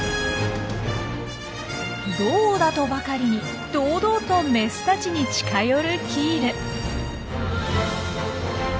どうだとばかりに堂々とメスたちに近寄るキール。